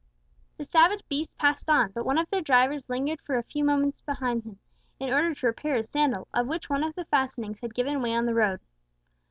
The savage beasts passed on, but one of their drivers lingered for a few minutes behind them, in order to repair his sandal, of which one of the fastenings had given way on the road.